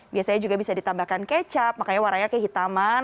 biasanya juga bisa ditambahkan kecap makanya warnanya kehitaman